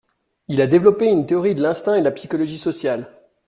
Il a développé une théorie de l'instinct et de la psychologie sociale.